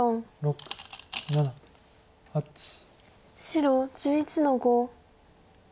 白１１の五。